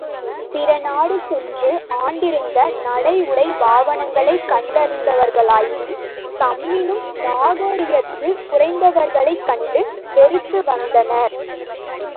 பிறநாடு சென்று ஆண்டிருந்த நடை உடைபாவனைகளைக் கண்டறிந்தவர்களாயினும் தம்மினும் நாகரிகத்தில் குறைந்தவர்களைக் கண்டு வெறுத்து வந்தனர்.